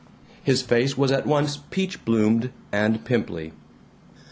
His face was at once peach bloomed and pimply.